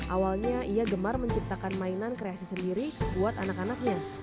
awalnya ia gemar menciptakan mainan kreasi sendiri buat anak anaknya